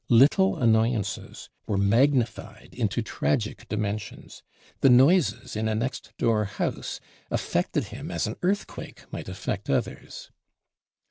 Little annoyances were magnified into tragic dimensions. The noises in a next door house affected him as an earthquake might affect others.